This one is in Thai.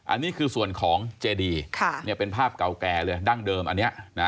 อันนี้คือส่วนของเจดีเป็นภาพเก่าแก่เลยดั้งเดิมอันนี้นะ